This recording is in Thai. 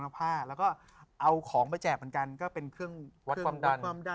เปางมะพรา